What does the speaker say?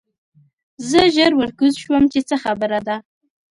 زه ژر ورکوز شوم چې څه خبره ده